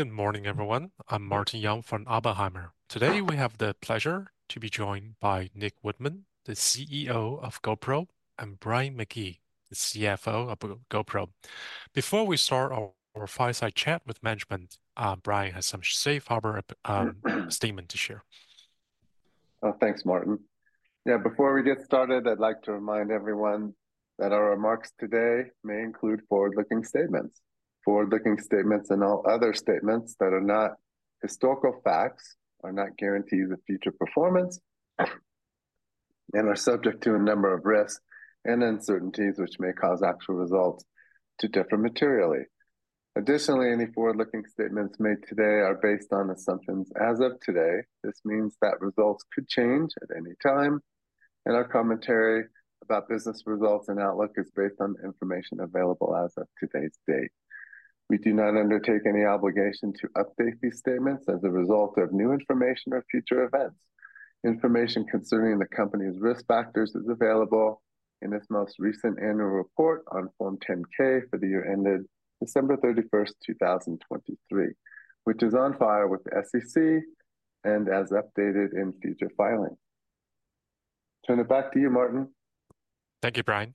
Good morning, everyone. I'm Martin Yang from Oppenheimer. Today, we have the pleasure to be joined by Nick Woodman, the CEO of GoPro, and Brian McGee, the CFO of GoPro. Before we start our fireside chat with management, Brian has some safe harbor statement to share. Thanks, Martin. Yeah, before we get started, I'd like to remind everyone that our remarks today may include forward-looking statements. Forward-looking statements and all other statements that are not historical facts are not guarantees of future performance, and are subject to a number of risks and uncertainties, which may cause actual results to differ materially. Additionally, any forward-looking statements made today are based on assumptions as of today. This means that results could change at any time, and our commentary about business results and outlook is based on information available as of today's date. We do not undertake any obligation to update these statements as a result of new information or future events. Information concerning the company's risk factors is available in its most recent annual report on Form 10-K for the year ended December 31st, 2023, which is on file with the SEC and as updated in future filings. Turn it back to you, Martin. Thank you, Brian.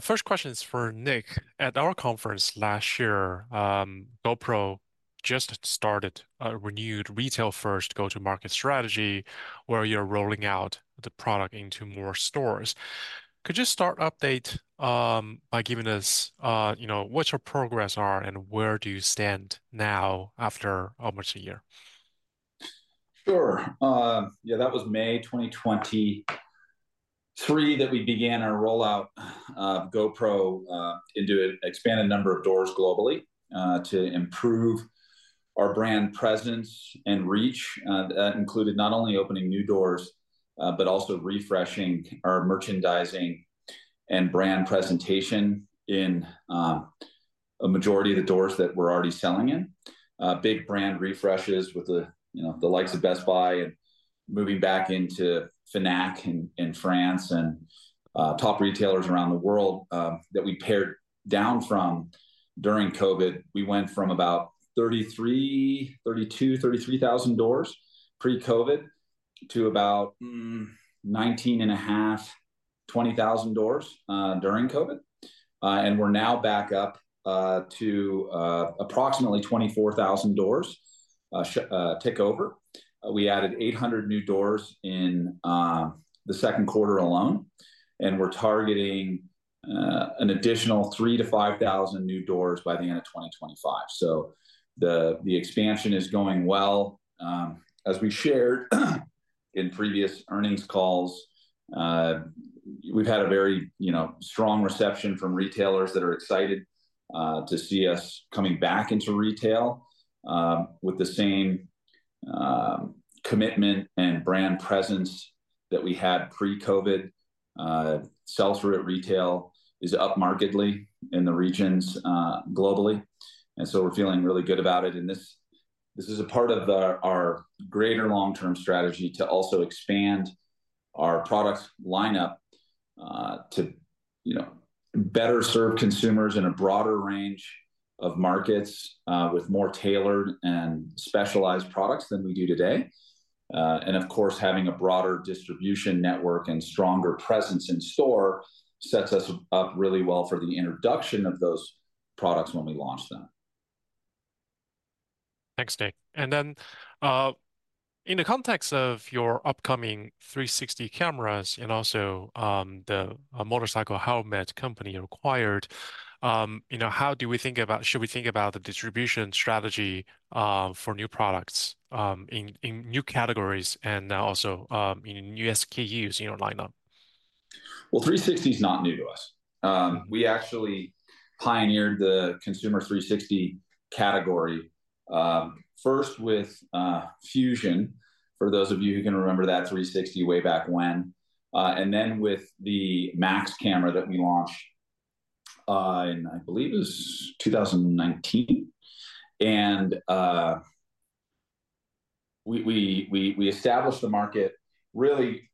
First question is for Nick. At our conference last year, GoPro just started a renewed retail-first go-to-market strategy, where you're rolling out the product into more stores. Could you start update by giving us, you know, what your progress are, and where do you stand now after almost a year? Sure. Yeah, that was May 2023 that we began our rollout of GoPro into an expanded number of doors globally to improve our brand presence and reach. That included not only opening new doors, but also refreshing our merchandising and brand presentation in a majority of the doors that we're already selling in. Big brand refreshes with the, you know, the likes of Best Buy and moving back into Fnac in France, and top retailers around the world that we pared down from during COVID. We went from about 33,000 doors pre-COVID to about 19.5-20,000 doors during COVID. And we're now back up to approximately 24,000 doors, a tick over. We added 800 new doors in the second quarter alone, and we're targeting an additional 3,000-5,000 new doors by the end of 2025. So the expansion is going well. As we shared in previous earnings calls, we've had a very, you know, strong reception from retailers that are excited to see us coming back into retail with the same commitment and brand presence that we had pre-COVID. Sell-through at retail is up markedly in the regions globally, and so we're feeling really good about it. This is a part of our greater long-term strategy to also expand our product lineup to, you know, better serve consumers in a broader range of markets with more tailored and specialized products than we do today. Of course, having a broader distribution network and stronger presence in store sets us up really well for the introduction of those products when we launch them. Thanks, Nick. And then, in the context of your upcoming 360 cameras and also the motorcycle helmet company you acquired, you know, how do we think about... Should we think about the distribution strategy for new products in new categories and also in new SKUs in your lineup? Well, 360 is not new to us. We actually pioneered the consumer 360 category, first with Fusion, for those of you who can remember that 360 way back when. Then with the MAX camera that we launched, I believe it was 2019. We established the market, really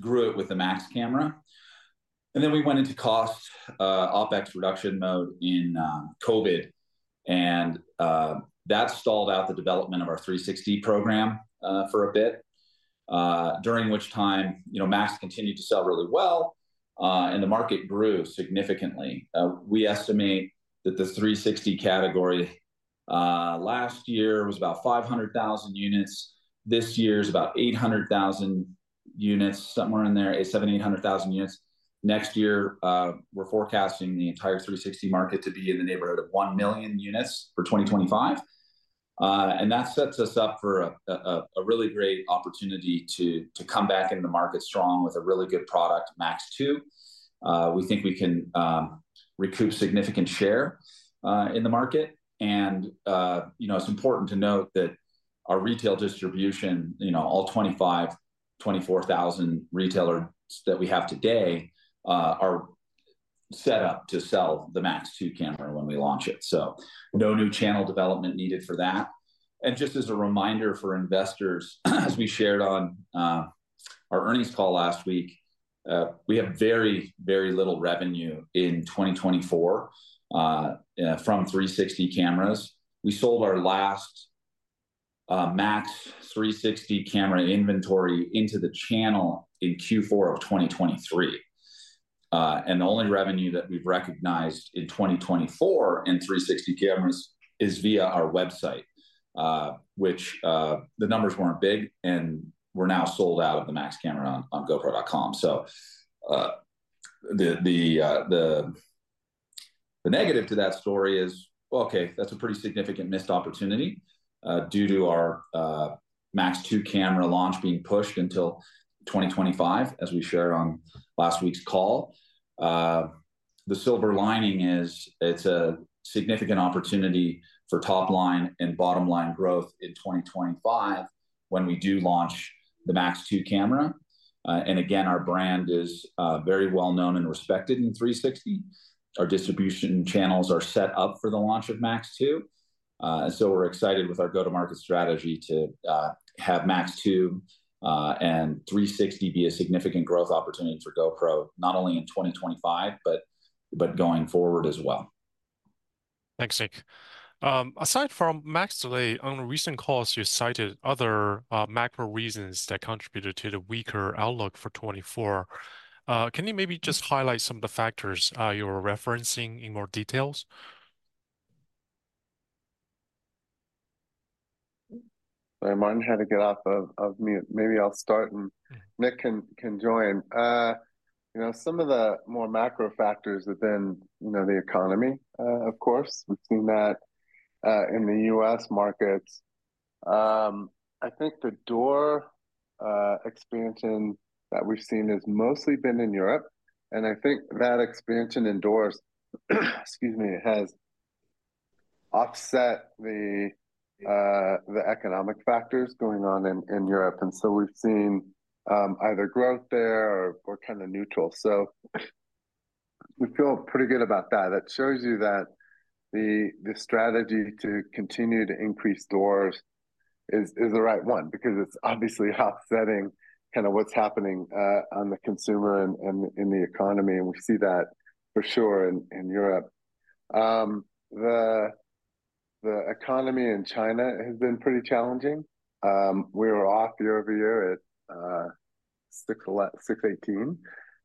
grew it with the MAX camera, and then we went into cost, OpEx reduction mode in COVID, and that stalled out the development of our 360-program for a bit, during which time, you know, MAX continued to sell really well, and the market grew significantly. We estimate that the 360-category last year was about 500,000 units. This year is about 800,000 units, somewhere in there, 700,000-800,000 units. Next year, we're forecasting the entire 360 market to be in the neighborhood of 1 million units for 2025. And that sets us up for a really great opportunity to come back into the market strong with a really good product, MAX 2. We think we can recoup significant share in the market. And, you know, it's important to note that our retail distribution, you know, all 25,000 retailers that we have today are set up to sell the MAX 2 camera when we launch it, so no new channel development needed for that. And just as a reminder for investors, as we shared on our earnings call last week, we have very, very little revenue in 2024 from 360 cameras. We sold our last MAX 360 camera inventory into the channel in Q4 of 2023. And the only revenue that we've recognized in 2024 in 360 cameras is via our website, which the numbers weren't big, and we're now sold out of the MAX camera on gopro.com. So, the negative to that story is, well, okay, that's a pretty significant missed opportunity due to our MAX 2 camera launch being pushed until 2025, as we shared on last week's call. The silver lining is it's a significant opportunity for top line and bottom-line growth in 2025 when we do launch the MAX 2 camera. And again, our brand is very well known and respected in 360. Our distribution channels are set up for the launch of MAX 2. So we're excited with our go-to-market strategy to have MAX 2 and 360 be a significant growth opportunity for GoPro, not only in 2025, but, but going forward as well. Thanks, Nick. Aside from MAX delay, on recent calls, you cited other, macro reasons that contributed to the weaker outlook for 2024. Can you maybe just highlight some of the factors, you were referencing in more details? Sorry, I might have had to get off of mute. Maybe I'll start, and Nick can join. You know, some of the more macro factors within, you know, the economy, of course, we've seen that in the U.S. markets. I think the door expansion that we've seen has mostly been in Europe, and I think that expansion in doors, excuse me, has offset the economic factors going on in Europe, and so we've seen either growth there or kind of neutral. So we feel pretty good about that. That shows you that the strategy to continue to increase doors is the right one because it's obviously offsetting kind of what's happening on the consumer and in the economy, and we see that for sure in Europe. The economy in China has been pretty challenging. We were off year-over-year at 618.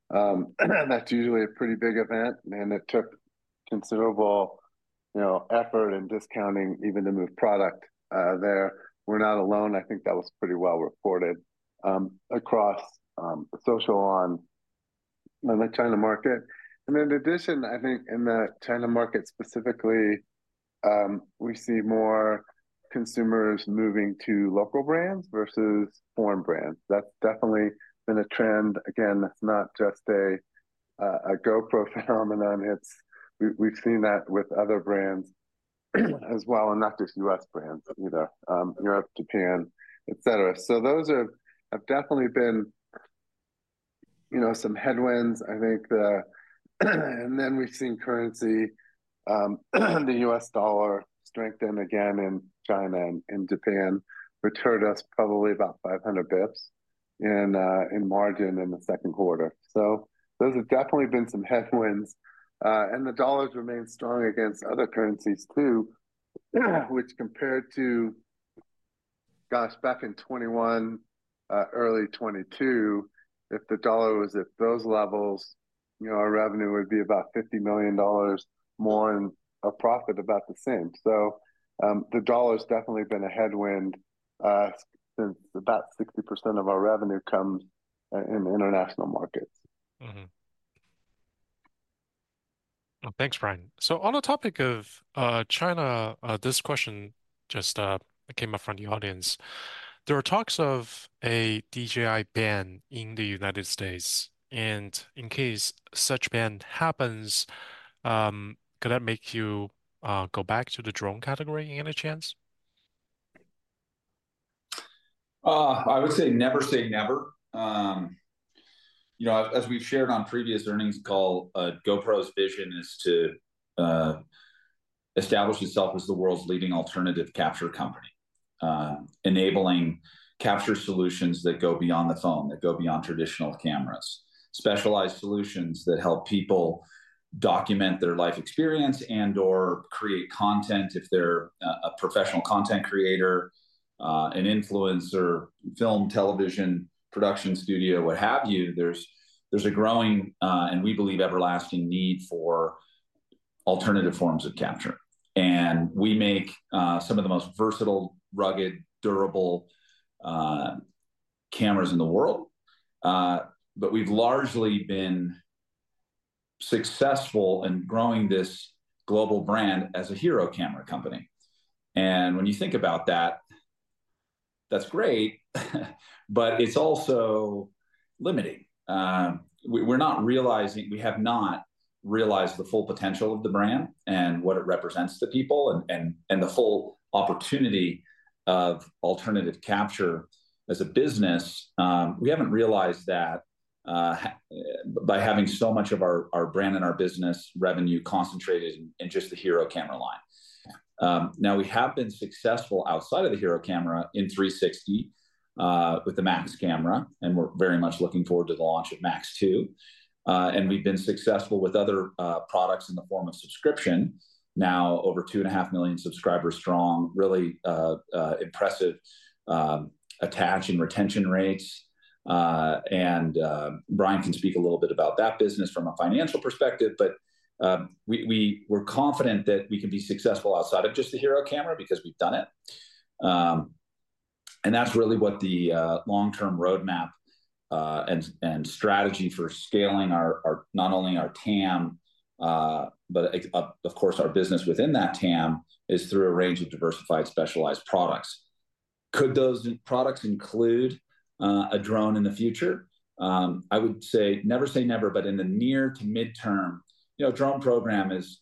And that's usually a pretty big event, and it took considerable, you know, effort and discounting even to move product there. We're not alone. I think that was pretty well reported across social on the China market. And then in addition, I think in the China market specifically, we see more consumers moving to local brands versus foreign brands. That's definitely been a trend. Again, that's not just a GoPro phenomenon. It's. We've seen that with other brands as well, and not just U.S. brands, either, Europe, Japan, et cetera. So those have definitely been, you know, some headwinds, I think, and then we've seen currency, the U.S. dollar strengthen again in China and in Japan, cost us probably about 500 basis points in margin in the second quarter. So those have definitely been some headwinds, and the dollar's remained strong against other currencies, too, which compared to, gosh, back in 2021, early 2022, if the dollar was at those levels, you know, our revenue would be about $50 million more, and our profit about the same. So, the dollar's definitely been a headwind, since about 60% of our revenue comes in international markets. Mm-hmm. Thanks, Brian. So on the topic of China, this question just came up from the audience. There are talks of a DJI ban in the United States, and in case such ban happens, could that make you go back to the drone category again a chance? I would say never say never. You know, as we've shared on previous earnings call, GoPro's vision is to establish itself as the world's leading alternative capture company, enabling capture solutions that go beyond the phone, that go beyond traditional cameras, specialized solutions that help people document their life experience and/or create content if they're a professional content creator, an influencer, film, television, production studio, what have you. There's a growing, and we believe, everlasting need for alternative forms of capture. And we make some of the most versatile, rugged, durable cameras in the world. But we've largely been successful in growing this global brand as a hero camera company, and when you think about that, that's great, but it's also limiting. We're not realizing... We have not realized the full potential of the brand and what it represents to people and the whole opportunity of alternative capture as a business. We haven't realized that by having so much of our brand and our business revenue concentrated in just the HERO camera line. Now we have been successful outside of the HERO camera in 360 with the MAX camera, and we're very much looking forward to the launch of MAX 2. And we've been successful with other products in the form of subscription, now over 2.5 million subscribers strong, really impressive attach and retention rates. Brian can speak a little bit about that business from a financial perspective, but we're confident that we can be successful outside of just the HERO camera because we've done it. And that's really what the long-term roadmap and strategy for scaling our not only our TAM but of course our business within that TAM is through a range of diversified, specialized products. Could those products include a drone in the future? I would say never say never, but in the near to mid-term, you know, drone program is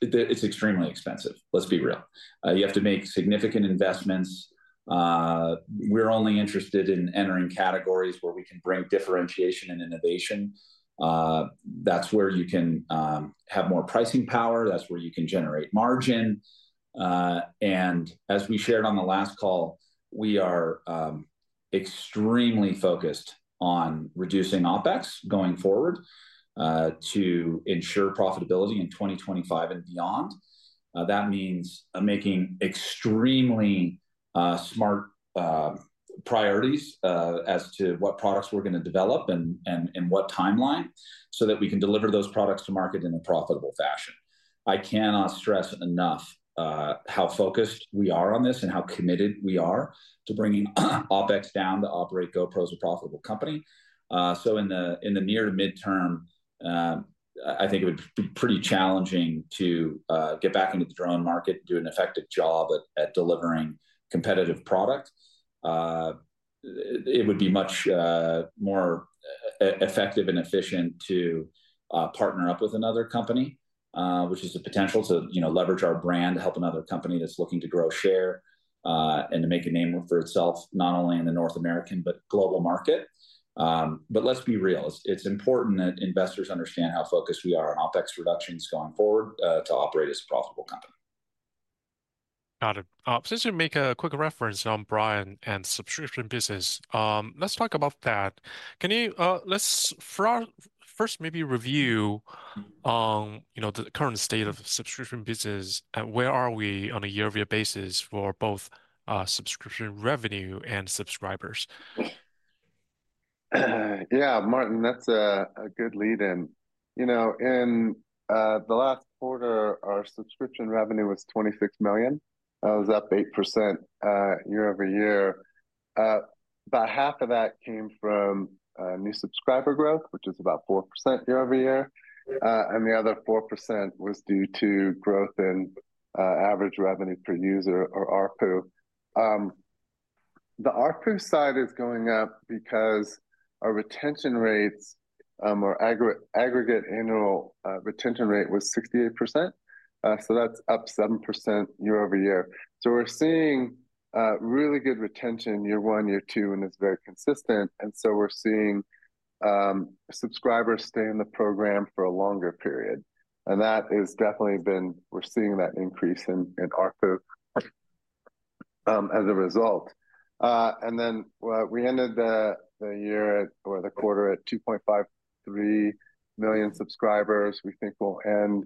it's extremely expensive. Let's be real. You have to make significant investments. We're only interested in entering categories where we can bring differentiation and innovation. That's where you can have more pricing power, that's where you can generate margin. As we shared on the last call, we are extremely focused on reducing OpEx going forward, to ensure profitability in 2025 and beyond. That means making extremely smart priorities as to what products we're gonna develop and what timeline, so that we can deliver those products to market in a profitable fashion. I cannot stress enough how focused we are on this and how committed we are to bringing OpEx down, to operate GoPro as a profitable company. So in the near to mid-term, I think it would be pretty challenging to get back into the drone market and do an effective job at delivering competitive product. It, it would be much more effective and efficient to partner up with another company, which is a potential to, you know, leverage our brand to help another company that's looking to grow, share, and to make a name for itself, not only in North America, but global market. But let's be real. It's, it's important that investors understand how focused we are on OpEx reductions going forward to operate as a profitable company. Got it. Since you make a quick reference on Brian and subscription business, let's talk about that. Can you... Let's first, first maybe review, you know, the current state of subscription business, and where are we on a year-over-year basis for both, subscription revenue and subscribers? Yeah, Martin, that's a good lead-in. You know, in the last quarter, our subscription revenue was $26 million. It was up 8% year-over-year. About half of that came from new subscriber growth, which is about 4% year-over-year, and the other 4% was due to growth in average revenue per user or ARPU. The ARPU side is going up because our retention rates, our aggregate annual retention rate was 68%. So that's up 7% year-over-year. So we're seeing really good retention, year one, year two, and it's very consistent, and so we're seeing subscribers stay in the program for a longer period, and that has definitely been. We're seeing that increase in ARPU as a result. Well, we ended the year at, or the quarter at 2.53 million subscribers. We think we'll end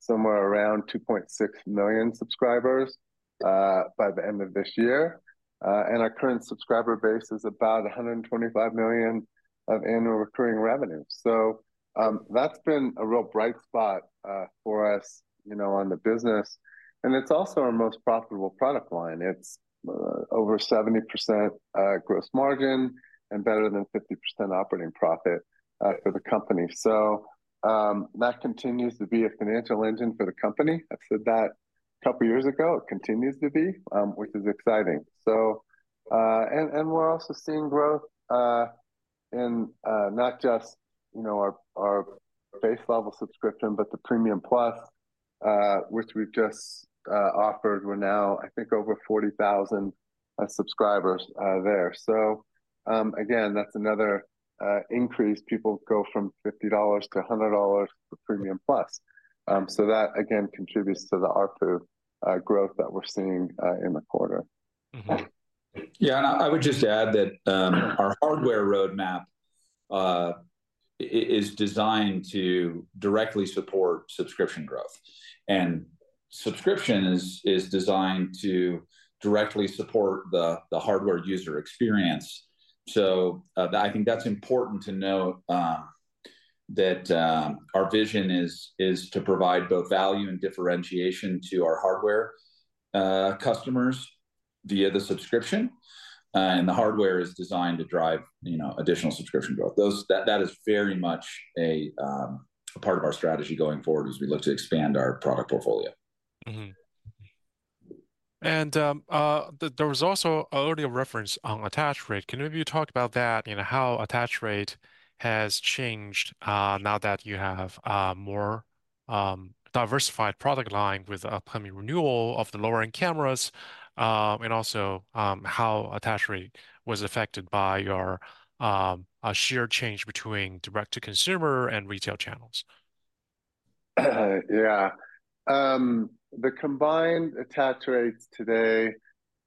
somewhere around 2.6 million subscribers by the end of this year. And our current subscriber base is about $125 million of annual recurring revenue. So, that's been a real bright spot for us, you know, on the business, and it's also our most profitable product line. It's over 70% gross margin and better than 50% operating profit for the company. So, that continues to be a financial engine for the company. I said that a couple of years ago. It continues to be, which is exciting. So, we're also seeing growth in not just, you know, our base-level subscription, but the Premium Plus, which we've just offered. We're now, I think, over 40,000 subscribers there. So, again, that's another increase. People go from $50 to $100 for Premium Plus. So that, again, contributes to the ARPU growth that we're seeing in the quarter. Mm-hmm. Yeah, and I would just add that, our hardware roadmap is designed to directly support subscription growth, and subscription is designed to directly support the hardware user experience. So, I think that's important to note, that our vision is to provide both value and differentiation to our hardware customers via the subscription, and the hardware is designed to drive, you know, additional subscription growth. That is very much a part of our strategy going forward as we look to expand our product portfolio. Mm-hmm. And, there was also earlier reference on attach rate. Can maybe you talk about that? You know, how attach rate has changed, now that you have more diversified product line with upcoming renewal of the lower-end cameras, and also, how attach rate was affected by your share change between direct-to-consumer and retail channels? Yeah. The combined attach rates today,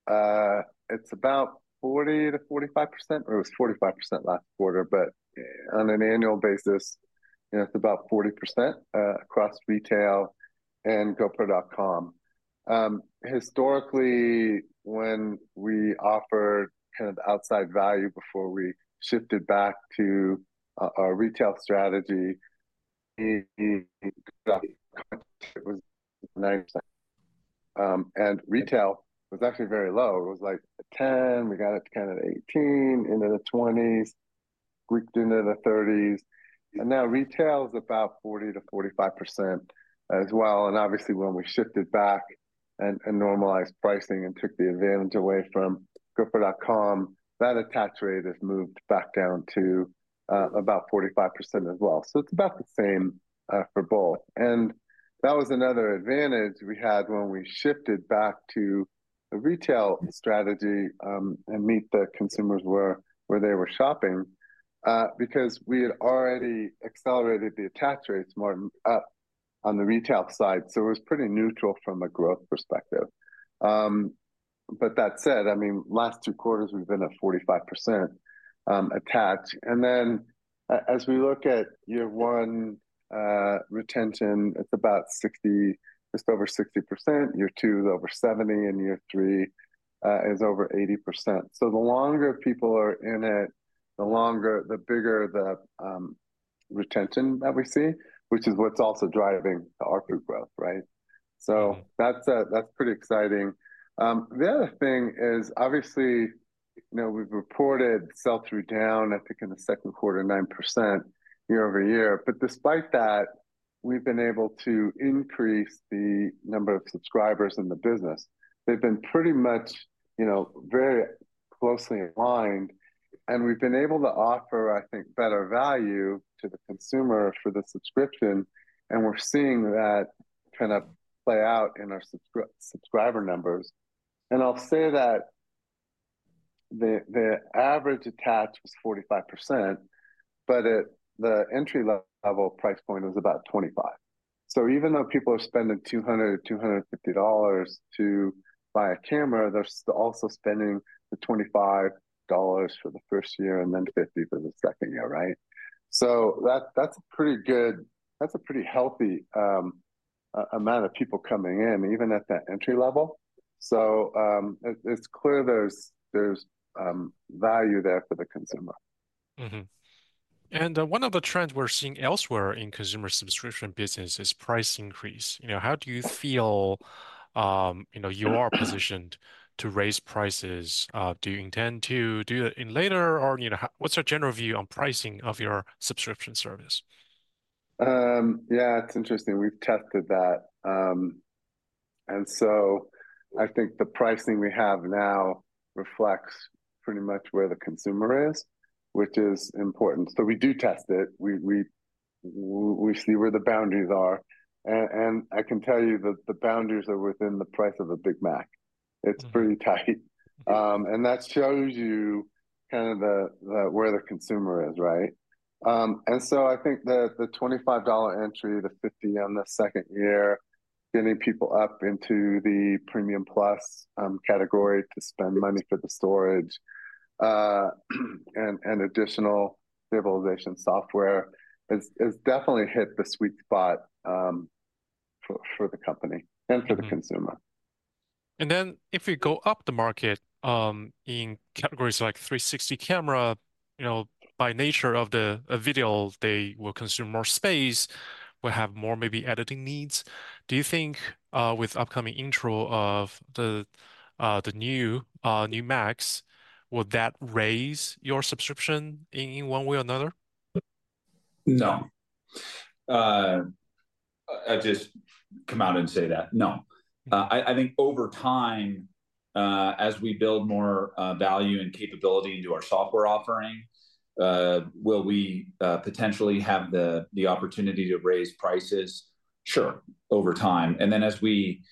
it's about 40%-45%, or it was 45% last quarter, but on an annual basis, it's about 40%, across retail and GoPro.com. Historically, when we offered kind of outside value before we shifted back to our retail strategy, it was 90%. And retail was actually very low. It was, like, 10%, we got it to kind of 18%, into the 20s, squeaked into the 30s, and now retail is about 40%-45% as well. And obviously, when we shifted back and normalized pricing and took the advantage away from GoPro.com, that attach rate has moved back down to about 45% as well. So it's about the same, for both. And that was another advantage we had when we shifted back to the retail strategy, and meet the consumers where they were shopping, because we had already accelerated the attach rates more up on the retail side. So it was pretty neutral from a growth perspective. But that said, I mean, last two quarters, we've been at 45% attach. And then as we look at year one retention, it's about 60, just over 60%. Year two is over 70, and year three is over 80%. So the longer people are in it, the longer the bigger the retention that we see, which is what's also driving our group growth, right? So that's pretty exciting. The other thing is, obviously, you know, we've reported sell-through down, I think, in the second quarter, 9% year-over-year, but despite that, we've been able to increase the number of subscribers in the business. They've been pretty much, you know, very closely aligned, and we've been able to offer, I think, better value to the consumer for the subscription, and we're seeing that kind of play out in our subscriber numbers. And I'll say that the, the average attach was 45%, but at the entry-level price point was about 25. So even though people are spending $200-$250 to buy a camera, they're also spending the $25 for the first year and then $50 for the second year, right? So that, that's a pretty good... That's a pretty healthy amount of people coming in, even at that entry level. So, it's clear there's value there for the consumer. Mm-hmm. And, one of the trends we're seeing elsewhere in consumer subscription business is price increase. You know, how do you feel, you know, you are positioned to raise prices? Do you intend to do that in later or, you know, what's your general view on pricing of your subscription service? Yeah, it's interesting. We've tested that. And so I think the pricing we have now reflects pretty much where the consumer is, which is important. So we do test it. We see where the boundaries are, and I can tell you that the boundaries are within the price of a Big Mac. Mm. It's pretty tight. That shows you kind of the where the consumer is, right? I think the $25 entry, the $50 on the second year, getting people up into the Premium Plus category to spend money for the storage, and additional stabilization software, has definitely hit the sweet spot for the company. Mm... and for the consumer. And then, if you go up the market in categories like 360 camera, you know, by nature of the video, they will consume more space, will have more maybe editing needs. Do you think with upcoming intro of the new MAX, will that raise your subscription in one way or another? No. I'll just come out and say that, no. I think over time, as we build more value and capability into our software offering, will we potentially have the opportunity to raise prices? Sure, over time. And then, as we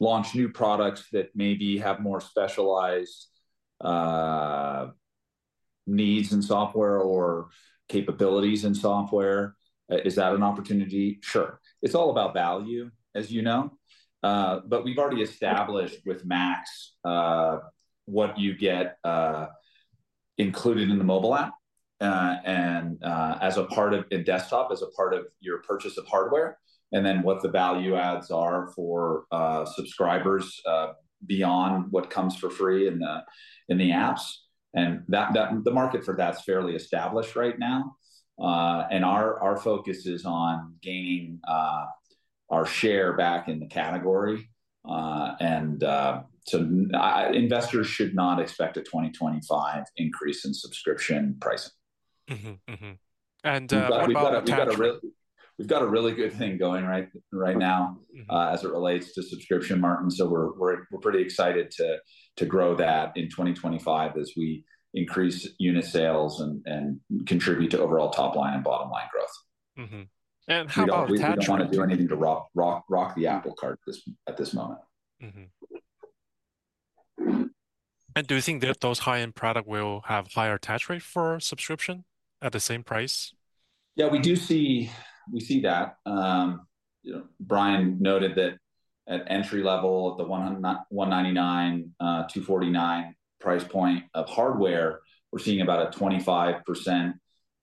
launch new products that maybe have more specialized needs in software or capabilities in software, is that an opportunity? Sure. It's all about value, as you know. But we've already established with MAX what you get included in the mobile app and as a part of, and desktop, as a part of your purchase of hardware, and then what the value adds are for subscribers beyond what comes for free in the apps. And that the market for that's fairly established right now. Our focus is on gaining our share back in the category. So investors should not expect a 2025 increase in subscription pricing. Mm-hmm. Mm-hmm. And, about attach- We've got a really good thing going right now. Mm-hmm... as it relates to subscription, Martin, so we're pretty excited to grow that in 2025 as we increase unit sales and contribute to overall top line and bottom line growth.... Mm-hmm. And how about attach rate? We obviously don't wanna do anything to rock the apple cart at this moment. Mm-hmm. And do you think that those high-end product will have higher attach rate for subscription at the same price? Yeah, we see that. You know, Brian noted that at entry level, at the not $199, $249 price point of hardware, we're seeing about 25%,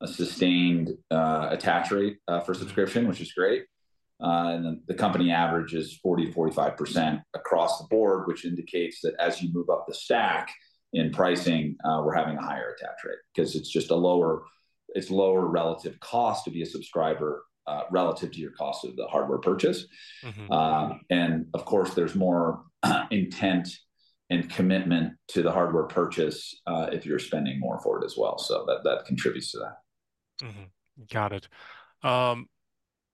a sustained attach rate for subscription, which is great. And the company average is 40%-45% across the board, which indicates that as you move up the stack in pricing, we're having a higher attach rate. 'Cause it's just a lower... It's lower relative cost to be a subscriber, relative to your cost of the hardware purchase. Mm-hmm. And of course, there's more intent and commitment to the hardware purchase if you're spending more for it as well, so that contributes to that. Mm-hmm. Got it.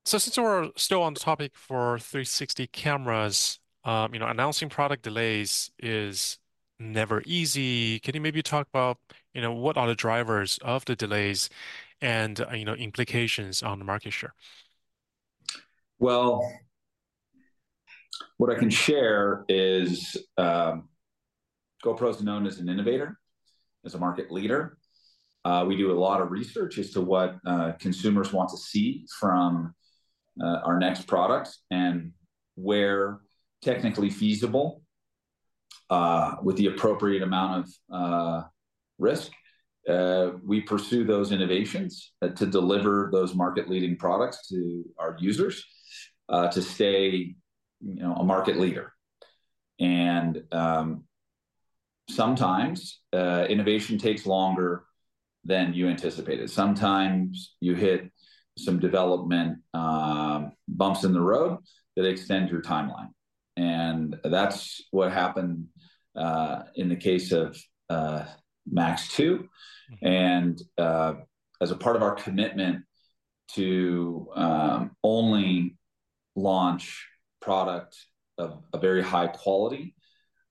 So since we're still on the topic for 360 cameras, you know, announcing product delays is never easy. Can you maybe talk about, you know, what are the drivers of the delays and, you know, implications on the market share? Well, what I can share is, GoPro's known as an innovator, as a market leader. We do a lot of research as to what consumers want to see from our next products, and where technically feasible, with the appropriate amount of risk, we pursue those innovations to deliver those market-leading products to our users to stay, you know, a market leader. Sometimes innovation takes longer than you anticipated. Sometimes you hit some development bumps in the road that extend your timeline, and that's what happened in the case of MAX 2. Mm-hmm. As a part of our commitment to only launch product of a very high quality,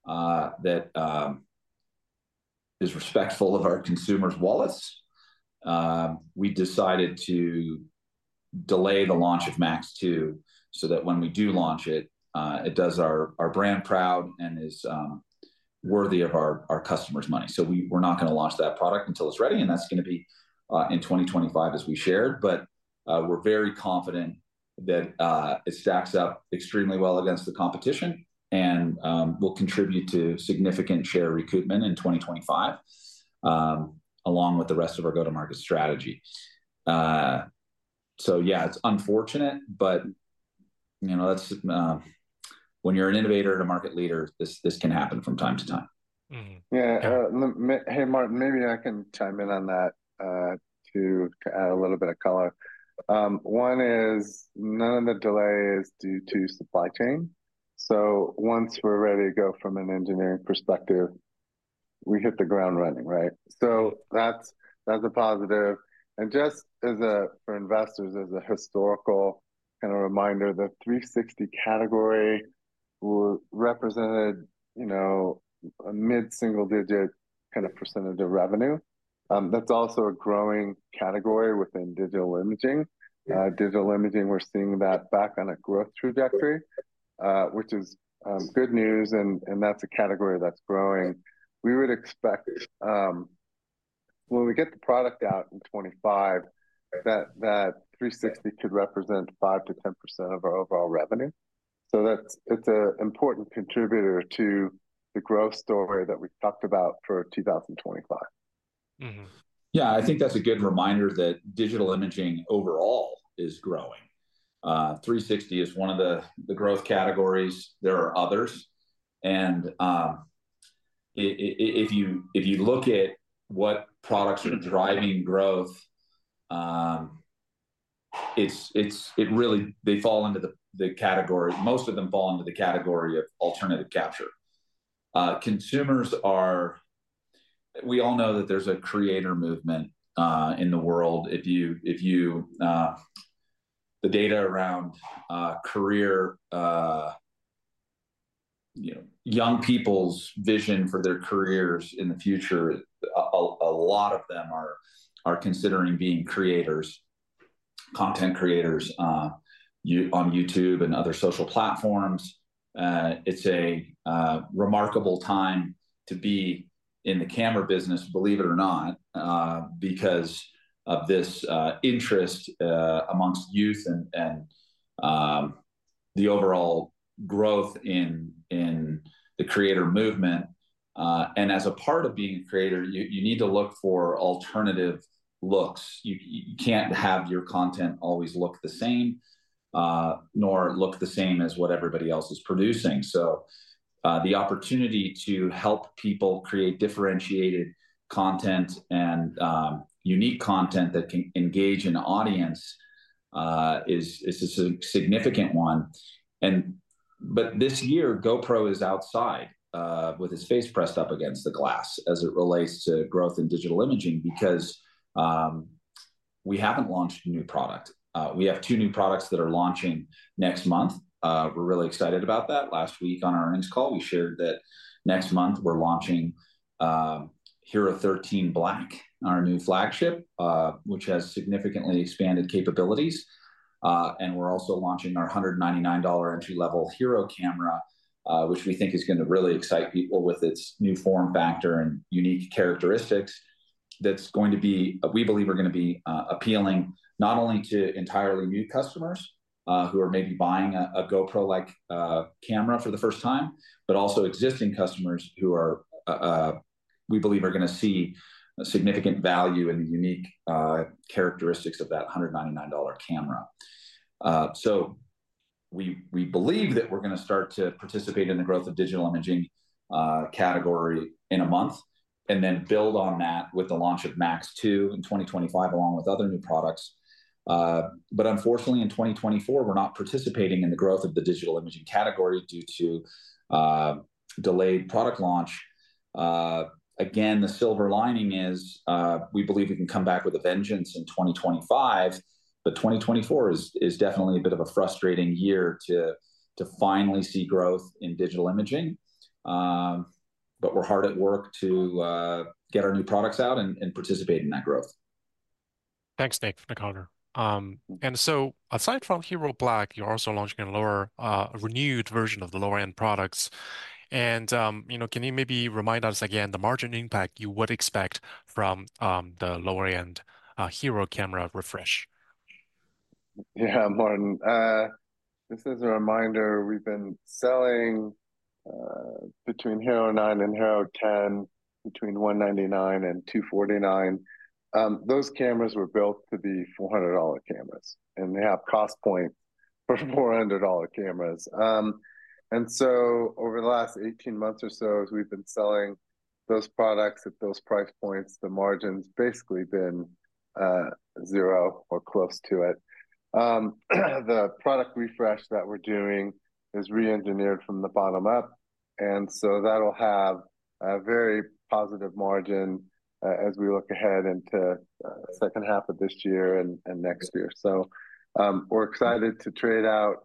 that is respectful of our consumers' wallets, we decided to delay the launch of MAX 2, so that when we do launch it, it does our brand proud and is worthy of our customers' money. We're not gonna launch that product until it's ready, and that's gonna be in 2025, as we shared. But we're very confident that it stacks up extremely well against the competition, and will contribute to significant share recoupment in 2025, along with the rest of our go-to-market strategy. So yeah, it's unfortunate, but you know, that's... When you're an innovator and a market leader, this can happen from time to time. Mm-hmm. Yeah. Hey, Martin, maybe I can chime in on that to add a little bit of color. One is, none of the delay is due to supply chain, so once we're ready to go from an engineering perspective, we hit the ground running, right? So that's, that's a positive. And just as a, for investors, as a historical kind of reminder, the 360 category represented, you know, a mid-single-digit kind of percentage of revenue. That's also a growing category within digital imaging. Yeah. Digital imaging, we're seeing that back on a growth trajectory, which is good news, and, and that's a category that's growing. We would expect, when we get the product out in 2025, that, that 360 could represent 5%-10% of our overall revenue. So that's... It's a important contributor to the growth story that we talked about for 2025. Mm-hmm. Yeah, I think that's a good reminder that digital imaging overall is growing. 360 is one of the growth categories. There are others, and if you look at what products are driving growth, they fall into the category. Most of them fall into the category of alternative capture. Consumers are... We all know that there's a creator movement in the world. If you... The data around career, you know, young people's vision for their careers in the future, a lot of them are considering being creators, content creators on YouTube and other social platforms. It's a remarkable time to be in the camera business, believe it or not, because of this interest amongst youth, and the overall growth in the creator movement. As a part of being a creator, you need to look for alternative looks. You can't have your content always look the same, nor look the same as what everybody else is producing. So, the opportunity to help people create differentiated content and unique content that can engage an audience is a significant one. But this year, GoPro is outside, with its face pressed up against the glass as it relates to growth in digital imaging, because we haven't launched a new product. We have two new products that are launching next month. We're really excited about that. Last week on our earnings call, we shared that next month we're launching HERO13 Black, our new flagship, which has significantly expanded capabilities, and we're also launching our $199 entry-level HERO camera, which we think is gonna really excite people with its new form factor and unique characteristics, that's going to be we believe are gonna be appealing, not only to entirely new customers who are maybe buying a GoPro-like camera for the first time, but also existing customers who are we believe are gonna see a significant value in the unique characteristics of that $199 camera. So we, we believe that we're gonna start to participate in the growth of digital imaging category in a month, and then build on that with the launch of MAX 2 in 2025, along with other new products. But unfortunately, in 2024, we're not participating in the growth of the digital imaging category due to delayed product launch. Again, the silver lining is, we believe we can come back with a vengeance in 2025, but 2024 is definitely a bit of a frustrating year to finally see growth in digital imaging. But we're hard at work to get our new products out and participate in that growth. Thanks, Nick, Next question. So aside from HERO Black, you're also launching a lower- a renewed version of the lower-end products. You know, can you maybe remind us again the margin impact you would expect from the lower-end HERO camera refresh? Yeah, Martin, just as a reminder, we've been selling between HERO9 and HERO10, between $199 and $249. Those cameras were built to be $400 cameras, and they have cost point for $400 cameras. And so over the last 18 months or so, as we've been selling those products at those price points, the margin's basically been zero or close to it. The product refresh that we're doing is re-engineered from the bottom up, and so that'll have a very positive margin as we look ahead into second half of this year and next year. So, we're excited to trade out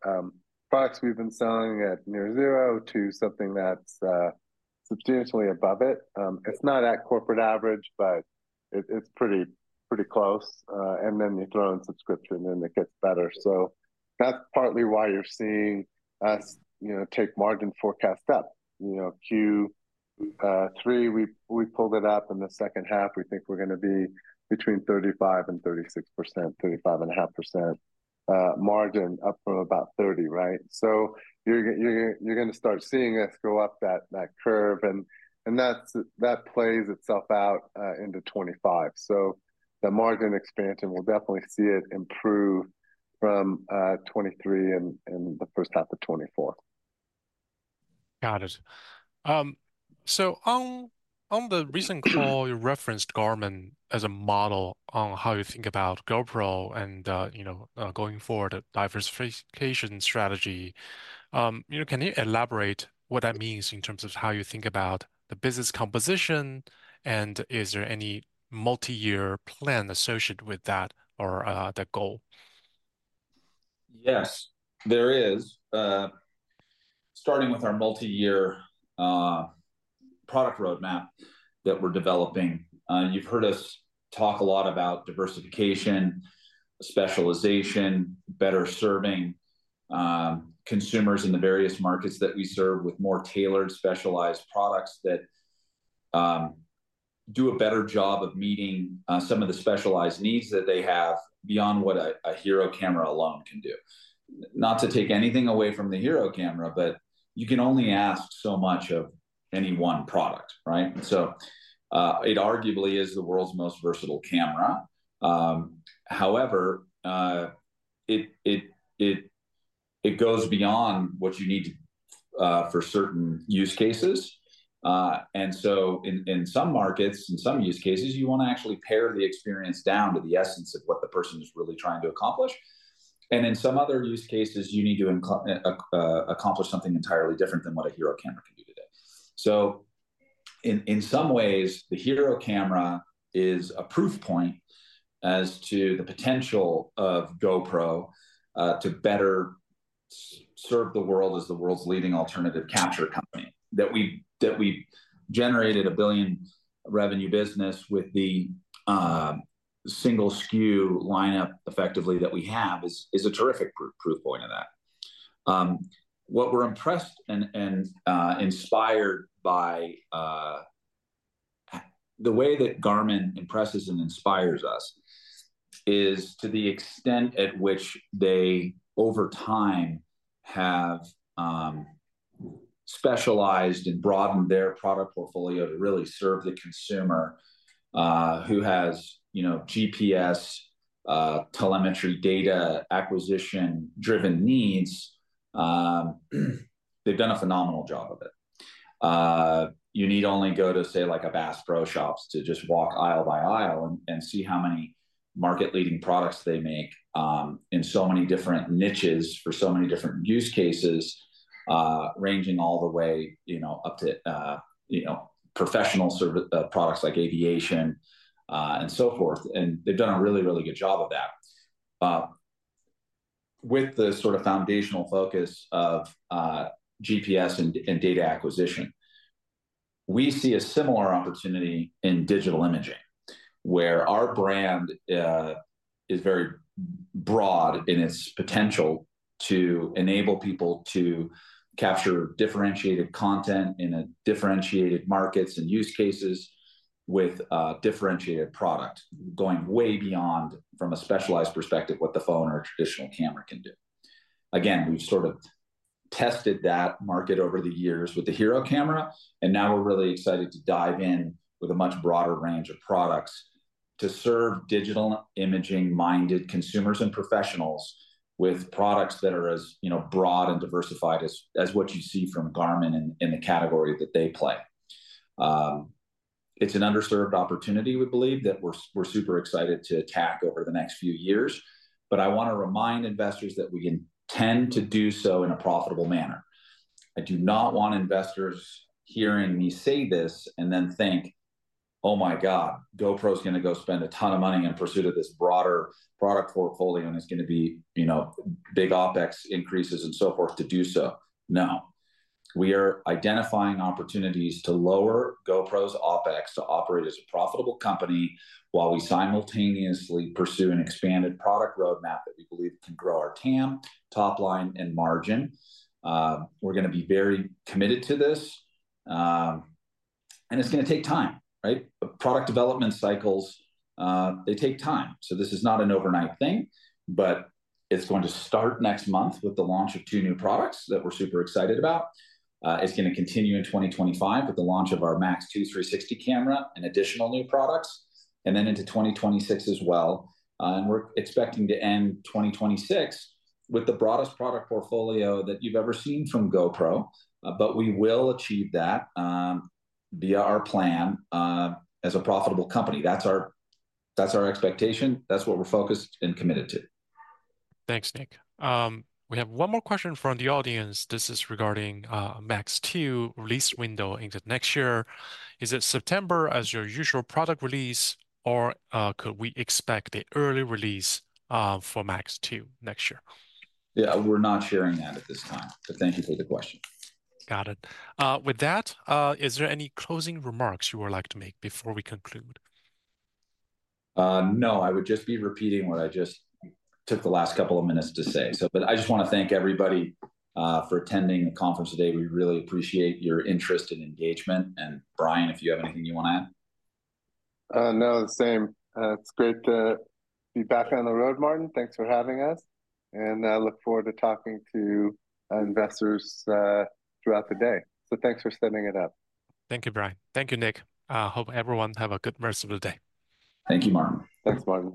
products we've been selling at near zero to something that's substantially above it. It's not at corporate average, but it, it's pretty, pretty close. And then you throw in subscription, and it gets better. So that's partly why you're seeing us, you know, take margin forecast up. You know, Q3, we, we pulled it up in the second half. We think we're gonna be between 35%-36%, 35.5%, margin up from about 30%, right? So you're, you're, you're gonna start seeing us go up that, that curve, and, and that's- that plays itself out into 2025. So the margin expansion, we'll definitely see it improve from 2023 and the first half of 2024. Got it. So on the recent call, you referenced Garmin as a model on how you think about GoPro and going forward, a diversification strategy. Can you elaborate what that means in terms of how you think about the business composition, and is there any multi-year plan associated with that or that goal? Yes, there is. Starting with our multi-year product roadmap that we're developing, you've heard us talk a lot about diversification, specialization, better serving consumers in the various markets that we serve with more tailored, specialized products that do a better job of meeting some of the specialized needs that they have, beyond what a HERO camera alone can do. Not to take anything away from the HERO camera, but you can only ask so much of any one product, right? So, it arguably is the world's most versatile camera. However, it goes beyond what you need for certain use cases. And so in some markets, in some use cases, you wanna actually pare the experience down to the essence of what the person is really trying to accomplish. In some other use cases, you need to accomplish something entirely different than what a HERO camera can do today. So in some ways, the HERO camera is a proof point as to the potential of GoPro to better serve the world as the world's leading alternative capture company. That we've generated a $1 billion revenue business with the single SKU lineup effectively that we have is a terrific proof point of that. What we're impressed and inspired by is the way that Garmin impresses and inspires us to the extent at which they, over time, have specialized and broadened their product portfolio to really serve the consumer who has, you know, GPS telemetry data, acquisition-driven needs. They've done a phenomenal job of it. You need only go to, say, like, a Bass Pro Shops to just walk aisle by aisle and see how many market-leading products they make in so many different niches for so many different use cases, ranging all the way, you know, up to, you know, professional products like aviation and so forth. And they've done a really, really good job of that with the sort of foundational focus of GPS and data acquisition. We see a similar opportunity in digital imaging, where our brand is very broad in its potential to enable people to capture differentiated content in a differentiated markets and use cases with a differentiated product, going way beyond, from a specialized perspective, what the phone or a traditional camera can do. Again, we've sort of tested that market over the years with the HERO camera, and now we're really excited to dive in with a much broader range of products to serve digital imaging-minded consumers and professionals with products that are as, you know, broad and diversified as what you see from Garmin in the category that they play. It's an underserved opportunity, we believe, that we're super excited to attack over the next few years. But I wanna remind investors that we intend to do so in a profitable manner. I do not want investors hearing me say this and then think, "Oh, my God, GoPro's gonna go spend a ton of money in pursuit of this broader product portfolio, and it's gonna be, you know, big OpEx increases and so forth to do so." No. We are identifying opportunities to lower GoPro's OpEx to operate as a profitable company while we simultaneously pursue an expanded product roadmap that we believe can grow our TAM, top line, and margin. We're gonna be very committed to this, and it's gonna take time, right? But product development cycles, they take time, so this is not an overnight thing. But it's going to start next month with the launch of two new products that we're super excited about. It's gonna continue in 2025 with the launch of our MAX 2 360 camera and additional new products, and then into 2026 as well. And we're expecting to end 2026 with the broadest product portfolio that you've ever seen from GoPro. But we will achieve that, via our plan, as a profitable company. That's our, that's our expectation. That's what we're focused and committed to. Thanks, Nick. We have one more question from the audience. This is regarding MAX 2 release window into next year. Is it September as your usual product release, or could we expect a early release for MAX 2 next year? Yeah, we're not sharing that at this time, but thank you for the question. Got it. With that, is there any closing remarks you would like to make before we conclude? No, I would just be repeating what I just took the last couple of minutes to say. So but I just wanna thank everybody for attending the conference today. We really appreciate your interest and engagement, and Brian, if you have anything you wanna add? No, the same. It's great to be back on the road, Martin. Thanks for having us, and I look forward to talking to investors throughout the day. So thanks for setting it up. Thank you, Brian. Thank you, Nick. I hope everyone have a good rest of the day. Thank you, Martin. Thanks, Martin.